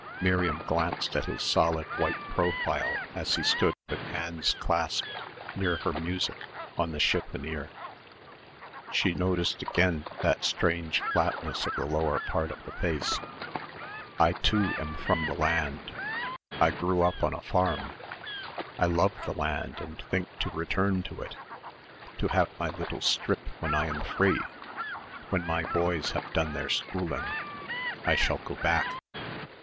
Miriam glanced at his solid white profile as he stood with hands clasped, near her music, on the chiffonier. She noticed again that strange flatness of the lower part of the face. "I, too, am from the land. I grew up on a farm. I love the land and think to return to it to have my little strip when I am free when my boys have done their schooling. I shall go back."